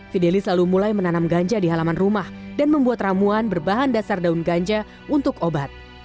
fidelis lalu mulai menanam ganja di halaman rumah dan membuat ramuan berbahan dasar daun ganja untuk obat